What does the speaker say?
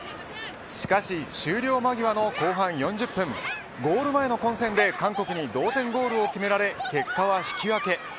しかし、終了間際の後半４０分ゴール前の混戦で韓国に同点ゴールを決められ結果は引き分け。